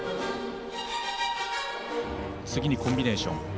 次にコンビネーション。